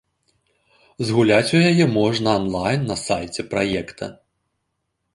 Згуляць у яе можна анлайн на сайце праекта.